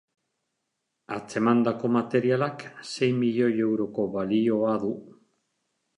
Atzemandako materialak sei milioi euroko balioa du.